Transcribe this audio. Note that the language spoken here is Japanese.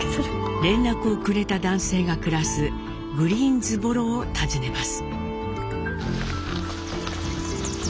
連絡をくれた男性が暮らすグリーンズボロを訪ねます。